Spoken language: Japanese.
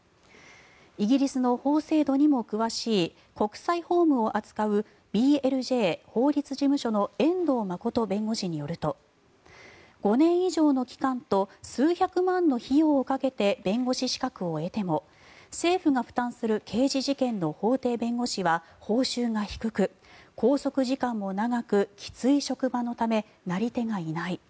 イギリスの法制度にも詳しい国際法務を扱うＢＬＪ法律事務所の遠藤誠弁護士によると５年以上の期間と数百万の費用をかけて弁護士資格を得ても政府が負担する刑事事件の法廷弁護士は報酬が低く、拘束時間も長くきつい職場のためなり手がいない。